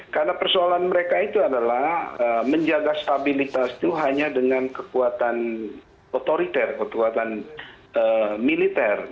karena persoalan mereka itu adalah menjaga stabilitas itu hanya dengan kekuatan otoriter kekuatan militer